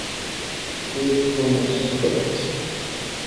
দ্বীপ ক্রমশ ছোট হয়েছে।